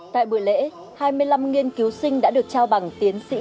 tại buổi lễ hai mươi năm nghiên cứu sinh đã được trao bằng tiến sĩ